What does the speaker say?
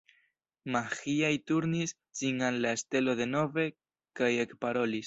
Maĥiac turnis sin al la stelo denove, kaj ekparolis.